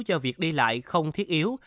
cho việc đi lại không thiết yếu